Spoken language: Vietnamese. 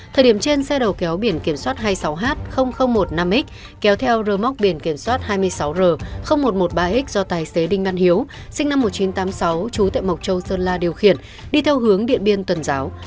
thời điểm trên xe đầu kéo biển kiểm soát hai mươi sáu h một trăm năm mươi x kéo theo rơ móc biển kiểm soát hai mươi sáu r một trăm một mươi ba x do tài xế đinh văn hiếu sinh năm một nghìn chín trăm tám mươi sáu trú tại mộc châu sơn la điều khiển đi theo hướng điện biên tuần giáo